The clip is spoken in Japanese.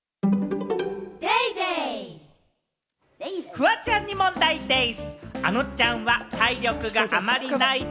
フワちゃんに問題でぃす。